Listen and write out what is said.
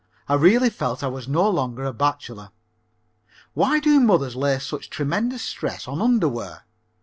I really felt I was no longer a bachelor. Why do mothers lay such tremendous stress on underwear?